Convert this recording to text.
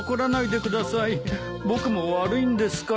僕も悪いんですから。